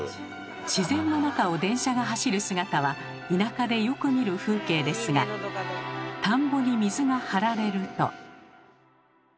自然の中を電車が走る姿は田舎でよく見る風景ですが田んぼに水が張られると。